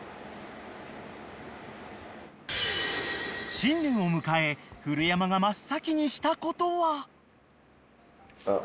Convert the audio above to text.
［新年を迎え古山が真っ先にしたことは］